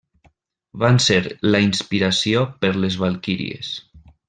Van ser la inspiració per les valquíries.